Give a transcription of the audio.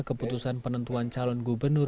keputusan penentuan calon gubernur